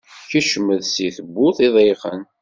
Kecmet si tebburt iḍeyqen.